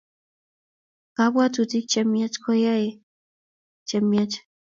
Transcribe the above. Kapwatutik che myach koiyei yaetik che myach